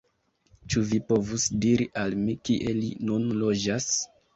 Ĉu vi povus diri al mi kie li nun loĝas?